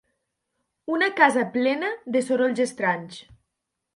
Una casa plena de sorolls estranys.